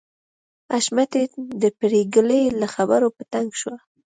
حشمتي د پريګلې له خبرو په تنګ شو